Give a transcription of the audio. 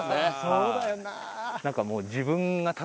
そうだよな。